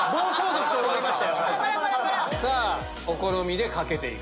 お好みでかけていく。